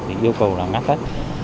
thì yêu cầu là ngắt hết